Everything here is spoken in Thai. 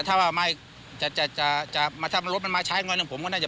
ถ้าว่าไม่จะจะจะจะจะมาถ้ามันรถมันมาใช้กันผมก็น่าจะ